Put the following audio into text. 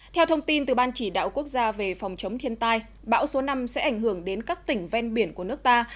theo thông tin từ ban chỉ đạo quốc gia về phòng chống thiên tai bão số năm sẽ ảnh hưởng đến các tỉnh ven biển của nước ta